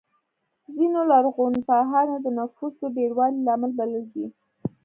ځینو لرغونپوهانو د نفوسو ډېروالی لامل بللی دی.